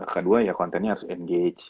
kedua ya kontennya harus engage